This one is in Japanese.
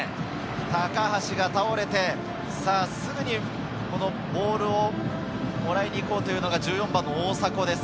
高橋が倒れてすぐにボールをもらいに行こうというのが１４番の大迫です。